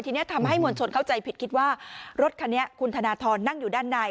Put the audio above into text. ทีนี้ทำให้มวลชนเข้าใจผิดคิดว่ารถคันนี้คุณธนทรนั่งอยู่ด้านใน